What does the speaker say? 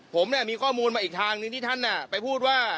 ผมเนี่ยมีข้อมูลมาอีกทางที่ท่านไปพูดว่า